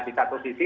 di satu sisi